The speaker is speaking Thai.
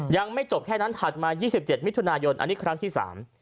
ยังไม่จบแค่นั้นถัดมา๒๗มิถุนายนอันนี้ครั้งที่สาม